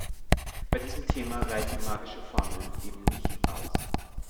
Bei diesem Thema reichen magische Formeln eben nicht aus.